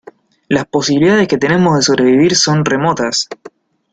las posibilidades que tenemos de sobrevivir son remotas,